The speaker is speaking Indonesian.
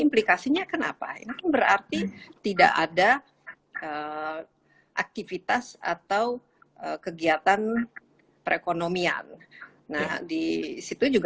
implikasinya kenapa ini berarti tidak ada aktivitas atau kegiatan perekonomian nah disitu juga